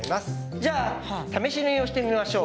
じゃあ試し縫いをしてみましょう。